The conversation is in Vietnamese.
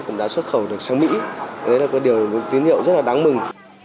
cũng đã xuất khẩu được sang mỹ đấy là một điều những tín hiệu rất là đáng mừng